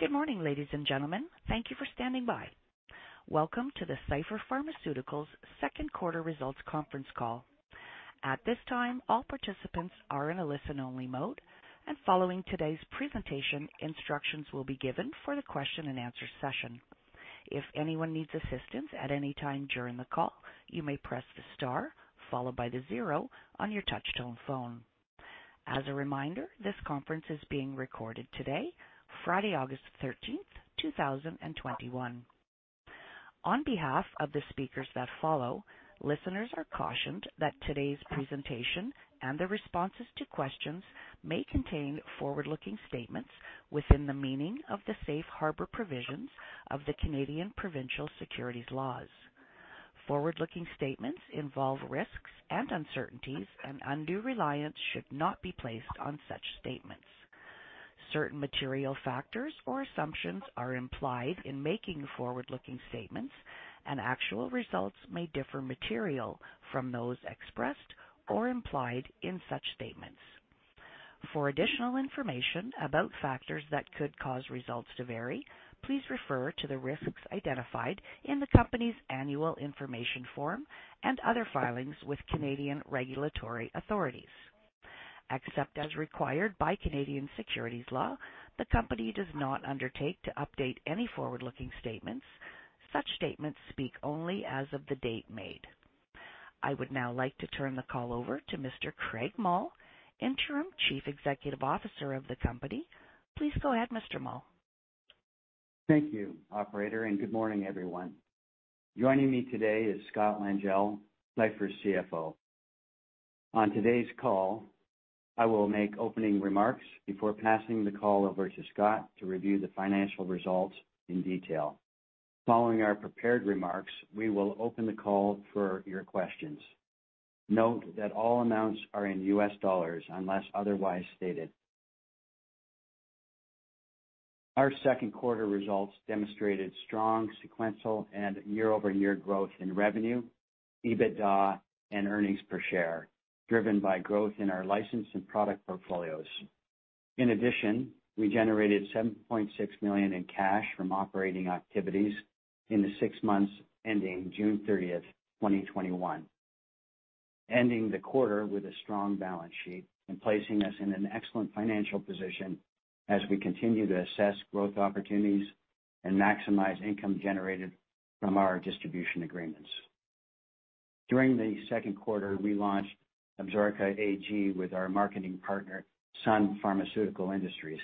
Good morning, ladies and gentlemen. Thank you for standing by. Welcome to the Cipher Pharmaceuticals second quarter results conference call. At this time, all participants are in a listen-only mode, and following today's presentation, instructions will be given for the question-and-answer session. If anyone needs assistance at any time during the call, you may press the star followed by the zero on your touch-tone phone. As a reminder, this conference is being recorded today, Friday, August 13th, 2021. On behalf of the speakers that follow, listeners are cautioned that today's presentation and the responses to questions may contain forward-looking statements within the meaning of the safe harbor provisions of the Canadian provincial securities laws. Forward-looking statements involve risks and uncertainties, and undue reliance should not be placed on such statements. Certain material factors or assumptions are implied in making forward-looking statements, and actual results may differ materially from those expressed or implied in such statements. For additional information about factors that could cause results to vary, please refer to the risks identified in the company's annual information form and other filings with Canadian regulatory authorities. Except as required by Canadian Securities Law, the company does not undertake to update any forward-looking statements. Such statements speak only as of the date made. I would now like to turn the call over to Mr. Craig Mull, Interim Chief Executive Officer of the company. Please go ahead, Mr. Mull. Thank you, Operator, and good morning, everyone. Joining me today is Scott Langille, Cipher's CFO. On today's call, I will make opening remarks before passing the call over to Scott to review the financial results in detail. Following our prepared remarks, we will open the call for your questions. Note that all amounts are in U.S. dollars unless otherwise stated. Our second quarter results demonstrated strong sequential and year-over-year growth in revenue, EBITDA, and earnings per share, driven by growth in our license and product portfolios. In addition, we generated $7.6 million in cash from operating activities in the six months ending June 30th, 2021, ending the quarter with a strong balance sheet and placing us in an excellent financial position as we continue to assess growth opportunities and maximize income generated from our distribution agreements. During the second quarter, we launched Absorica AG with our marketing partner, Sun Pharmaceutical Industries.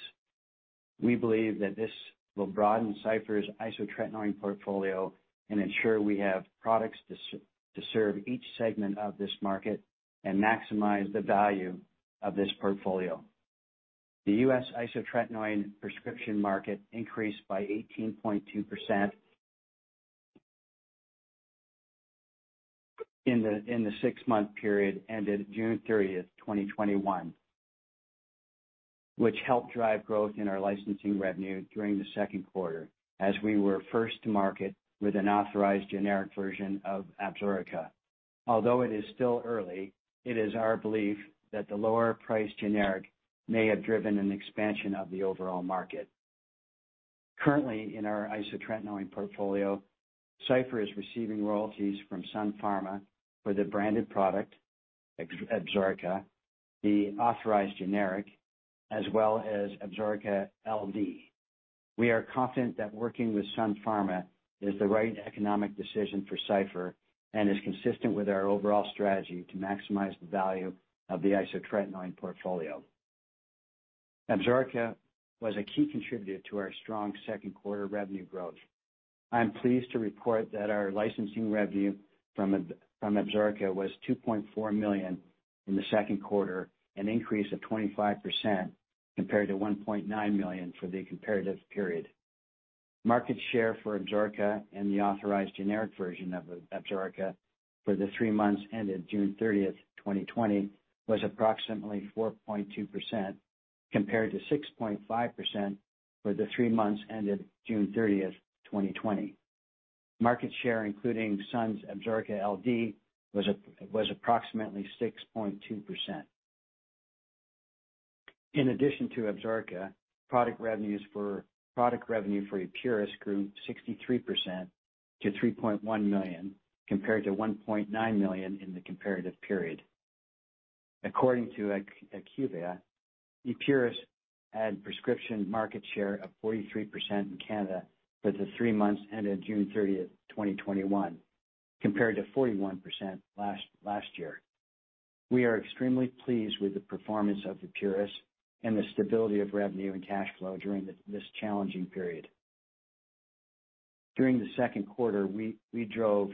We believe that this will broaden Cipher's isotretinoin portfolio and ensure we have products to serve each segment of this market and maximize the value of this portfolio. The U.S. isotretinoin prescription market increased by 18.2% in the six-month period ended June 30th, 2021, which helped drive growth in our licensing revenue during the second quarter as we were first to market with an authorized generic version of Absorica. Although it is still early, it is our belief that the lower-priced generic may have driven an expansion of the overall market. Currently, in our isotretinoin portfolio, Cipher is receiving royalties from Sun Pharma for the branded product, Absorica, the authorized generic, as well as Absorica LD. We are confident that working with Sun Pharma is the right economic decision for Cipher and is consistent with our overall strategy to maximize the value of the isotretinoin portfolio. Absorica was a key contributor to our strong second quarter revenue growth. I'm pleased to report that our licensing revenue from Absorica was $2.4 million in the second quarter, an increase of 25% compared to $1.9 million for the comparative period. Market share for Absorica and the authorized generic version of Absorica for the three months ended June 30th, 2020, was approximately 4.2% compared to 6.5% for the three months ended June 30th, 2020. Market share, including Sun's Absorica LD, was approximately 6.2%. In addition to Absorica, product revenue for Epuris grew 63% to $3.1 million compared to $1.9 million in the comparative period. According to IQVIA, Epuris had a prescription market share of 43% in Canada for the three months ended June 30th, 2021, compared to 41% last year. We are extremely pleased with the performance of Epuris and the stability of revenue and cash flow during this challenging period. During the second quarter, we drove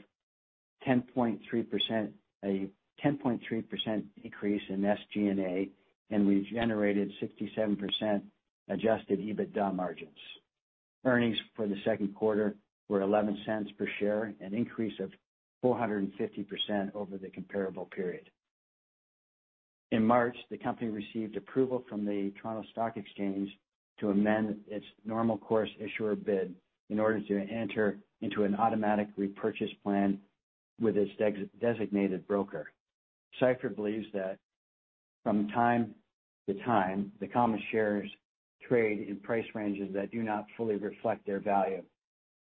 a 10.3% decrease in SG&A, and we generated 67% adjusted EBITDA margins. Earnings for the second quarter were $0.11 per share, an increase of 450% over the comparable period. In March, the company received approval from the Toronto Stock Exchange to amend its normal course issuer bid in order to enter into an automatic repurchase plan with its designated broker. Cipher believes that from time to time, the common shares trade in price ranges that do not fully reflect their value.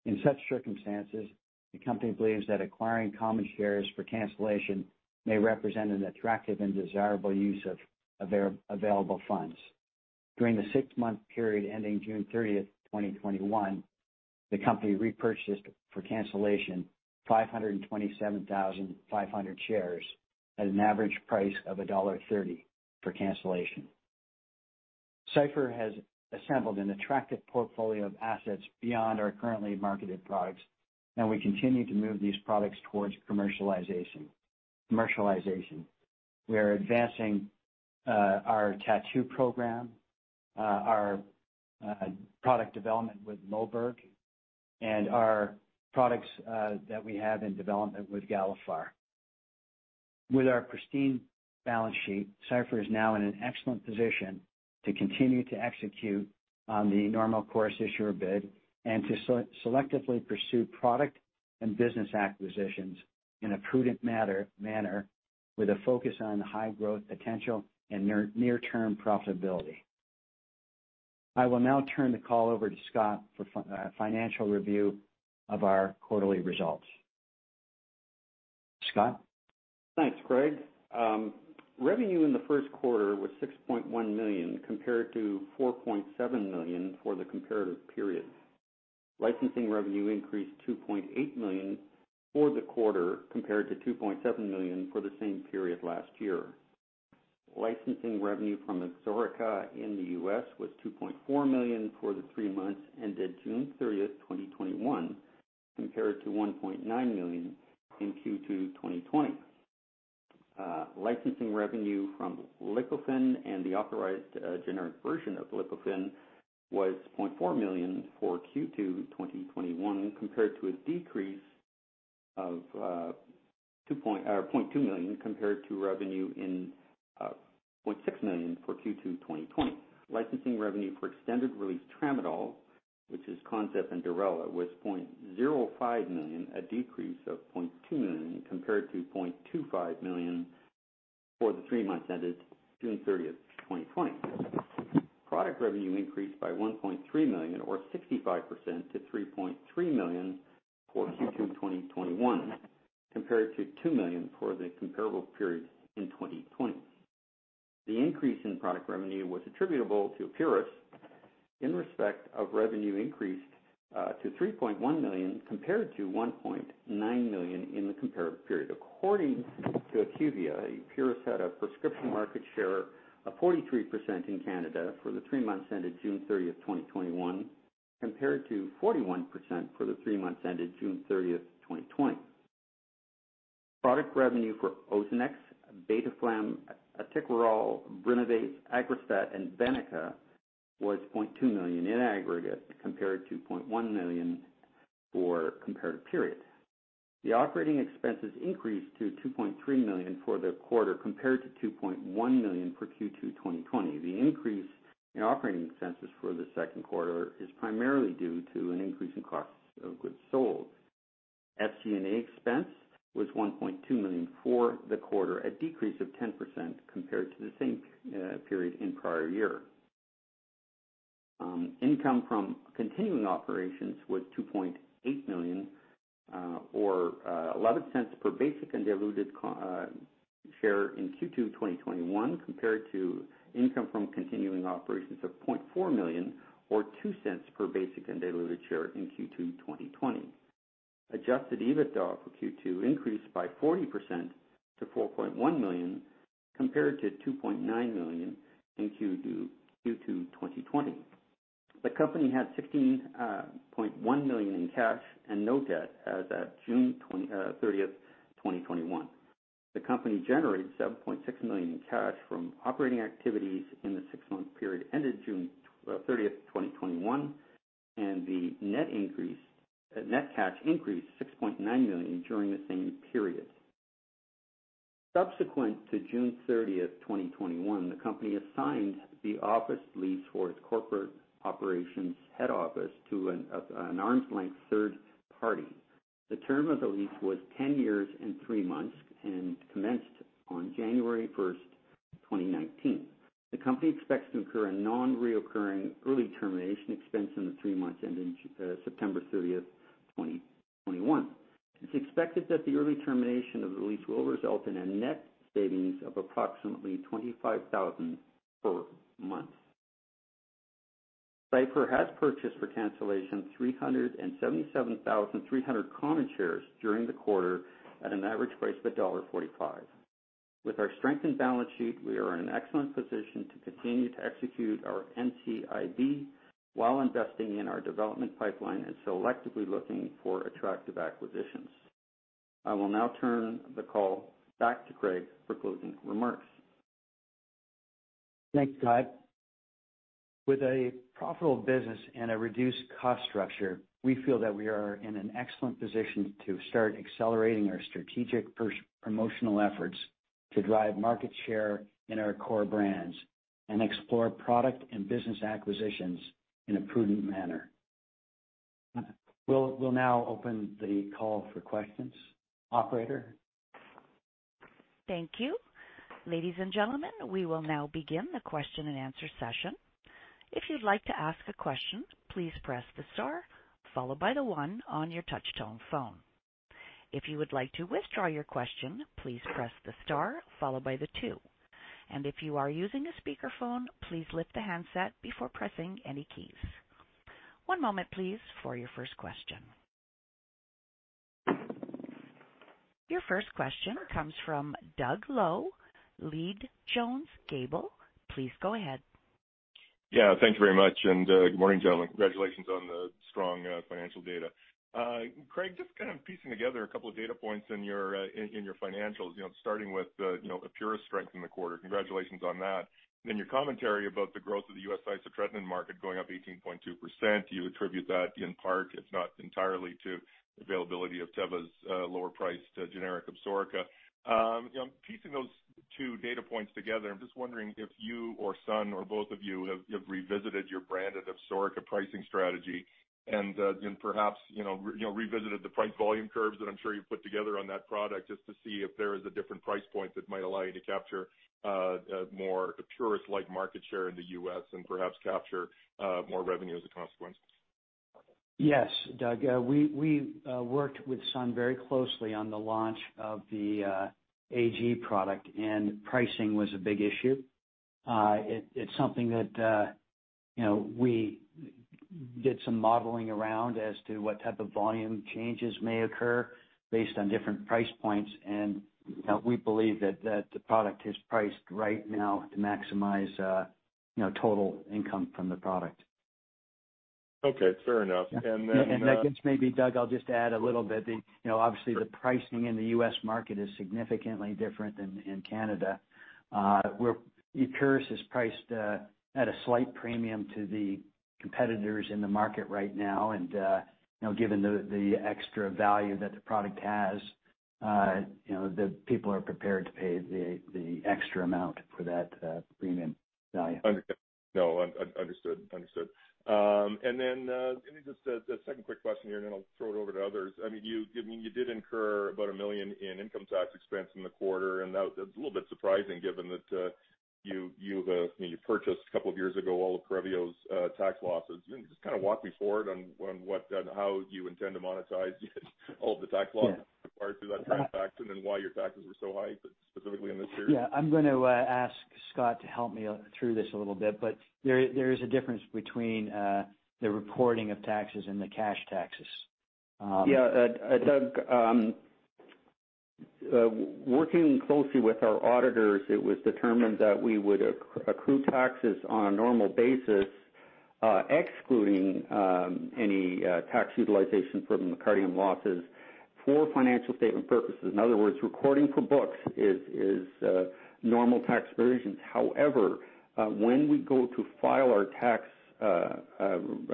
In such circumstances, the company believes that acquiring common shares for cancellation may represent an attractive and desirable use of available funds. During the six-month period ending June 30th, 2021, the company repurchased for cancellation 527,500 shares at an average price of $1.30 for cancellation. Cipher has assembled an attractive portfolio of assets beyond our currently marketed products, and we continue to move these products towards commercialization. We are advancing our tattoo program, our product development with Moberg, and our products that we have in development with Galephar. With our pristine balance sheet, Cipher is now in an excellent position to continue to execute on the Normal Course Issuer Bid and to selectively pursue product and business acquisitions in a prudent manner with a focus on high growth potential and near-term profitability. I will now turn the call over to Scott for financial review of our quarterly results. Scott? Thanks, Craig. Revenue in the first quarter was $6.1 million compared to $4.7 million for the comparative period. Licensing revenue increased $2.8 million for the quarter compared to $2.7 million for the same period last year. Licensing revenue from Absorica in the U.S. was $2.4 million for the three months ended June 30th, 2021, compared to $1.9 million in Q2 2020. Licensing revenue from Lipofen and the authorized generic version of Lipofen was $0.4 million for Q2 2021 compared to a decrease of $0.2 million compared to revenue in $0.6 million for Q2 2020. Licensing revenue for extended-release Tramadol, which is ConZip and Durela, was $0.05 million, a decrease of $0.2 million compared to $0.25 million for the three months ended June 30th, 2020. Product revenue increased by $1.3 million, or 65%, to $3.3 million for Q2 2021 compared to $2 million for the comparable period in 2020. The increase in product revenue was attributable to Epuris in respect of revenue increased to $3.1 million compared to $1.9 million in the comparative period. According to IQVIA, Epuris had a prescription market share of 43% in Canada for the three months ended June 30th, 2021, compared to 41% for the three months ended June 30th, 2020. Product revenue for Ozanex, Beteflam, Actikerall, Brinavess, Aggrastat, and Vaniqa was $0.2 million in aggregate compared to $0.1 million for the comparative period. The operating expenses increased to $2.3 million for the quarter compared to $2.1 million for Q2 2020. The increase in operating expenses for the second quarter is primarily due to an increase in costs of goods sold. SG&A expense was $1.2 million for the quarter, a decrease of 10% compared to the same period in prior year. Income from continuing operations was $2.8 million, or $0.11 per basic and diluted share in Q2 2021, compared to income from continuing operations of $0.4 million, or $0.02 per basic and diluted share in Q2 2020. Adjusted EBITDA for Q2 increased by 40% to $4.1 million compared to $2.9 million in Q2 2020. The company had $16.1 million in cash and no debt as of June 30th, 2021. The company generated $7.6 million in cash from operating activities in the six-month period ended June 30th, 2021, and the net cash increased $6.9 million during the same period. Subsequent to June 30th, 2021, the company assigned the office lease for its corporate operations head office to an arm's length third party. The term of the lease was 10 years and 3 months and commenced on January 1st, 2019. The company expects to incur a non-recurring early termination expense in the three months ended September 30th, 2021. It's expected that the early termination of the lease will result in a net savings of approximately $25,000 per month. Cipher has purchased for cancellation 377,300 common shares during the quarter at an average price of $1.45. With our strengthened balance sheet, we are in an excellent position to continue to execute our NCIB while investing in our development pipeline and selectively looking for attractive acquisitions. I will now turn the call back to Craig for closing remarks. Thanks, Scott. With a profitable business and a reduced cost structure, we feel that we are in an excellent position to start accelerating our strategic promotional efforts to drive market share in our core brands and explore product and business acquisitions in a prudent manner. We'll now open the call for questions. Operator. Thank you. Ladies and gentlemen, we will now begin the question and answer session. If you'd like to ask a question, please press the star followed by the one on your touch-tone phone. If you would like to withdraw your question, please press the star followed by the two. And if you are using a speakerphone, please lift the handset before pressing any keys. One moment, please, for your first question. Your first question comes from Doug Loe, Leede Jones Gable. Please go ahead. Yeah, thank you very much. Good morning, gentlemen. Congratulations on the strong financial data. Craig, just kind of piecing together a couple of data points in your financials, starting with Epuris' strength in the quarter. Congratulations on that. Then your commentary about the growth of the U.S. isotretinoin market going up 18.2%. You attribute that in part, if not entirely, to the availability of Teva's lower-priced generic Absorica. Piecing those two data points together, I'm just wondering if you or Sun, or both of you, have revisited your branded Absorica pricing strategy and perhaps revisited the price volume curves that I'm sure you've put together on that product just to see if there is a different price point that might allow you to capture more Epuris-like market share in the U.S. and perhaps capture more revenue as a consequence. Yes, Doug. We worked with Sun very closely on the launch of the AG product, and pricing was a big issue. It's something that we did some modeling around as to what type of volume changes may occur based on different price points, and we believe that the product is priced right now to maximize total income from the product. Okay, fair enough. Then I guess maybe, Doug, I'll just add a little bit. Obviously, the pricing in the U.S. market is significantly different than in Canada. Epuris is priced at a slight premium to the competitors in the market right now. Given the extra value that the product has, the people are prepared to pay the extra amount for that premium value. Understood. And then just a second quick question here, and then I'll throw it over to others. I mean, you did incur about $1 million in income tax expense in the quarter. And that's a little bit surprising given that you purchased a couple of years ago all of Correvio's tax losses. Just kind of walk me forward on how you intend to monetize all of the tax losses acquired through that transaction and why your taxes were so high specifically in this period. Yeah, I'm going to ask Scott to help me through this a little bit, but there is a difference between the reporting of taxes and the cash taxes. Yeah, Doug. Working closely with our auditors, it was determined that we would accrue taxes on a normal basis, excluding any tax utilization from the Cardiome losses for financial statement purposes. In other words, recording for books is normal tax provisions. However, when we go to file our tax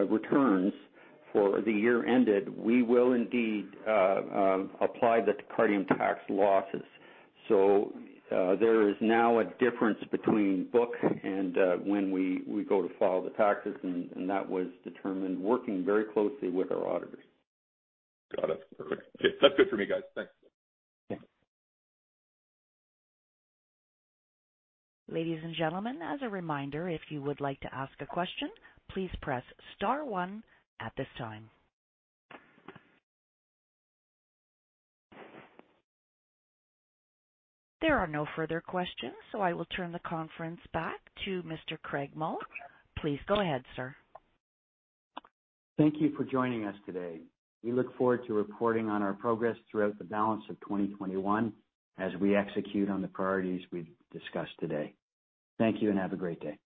returns for the year ended, we will indeed apply the Cardiome tax losses. So there is now a difference between book and when we go to file the taxes, and that was determined working very closely with our auditors. Got it. Perfect. Okay, that's good for me, guys. Thanks. Ladies and gentlemen, as a reminder, if you would like to ask a question, please press star one at this time. There are no further questions, so I will turn the conference back to Mr. Craig Mull. Please go ahead, sir. Thank you for joining us today. We look forward to reporting on our progress throughout the balance of 2021 as we execute on the priorities we've discussed today. Thank you and have a great day.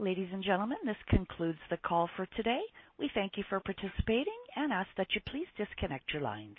Ladies and gentlemen, this concludes the call for today. We thank you for participating and ask that you please disconnect your lines.